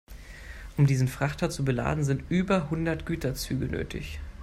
Um diesen Frachter zu beladen, sind über hundert Güterzüge nötig.